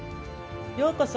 ようこそ！